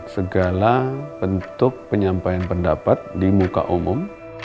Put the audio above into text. segala bentuk penyampaian pendapat di muka umum